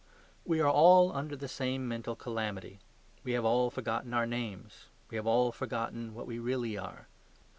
We are all under the same mental calamity; we have all forgotten our names. We have all forgotten what we really are.